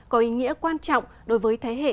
có ý nghĩa quan trọng đối với thế hệ